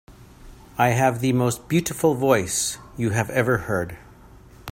I have the most beautiful voice you have ever heard.